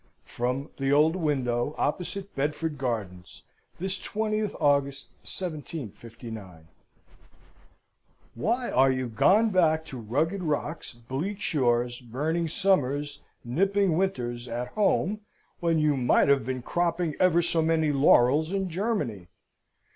"From the old window opposite Bedford Gardens, this 20th August 1759. "Why are you gone back to rugged rocks, bleak shores, burning summers, nipping winters, at home, when you might have been cropping ever so many laurels in Germany?